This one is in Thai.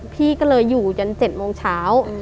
พี่ก็เลยอยู่จน๗โมงเช้า